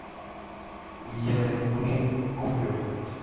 Y el de Junín, cumplió.